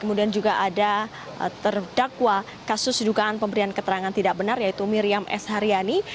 kemudian juga ada terdakwa kasus dugaan pemberian keterangan tidak benar yaitu miriam s haryani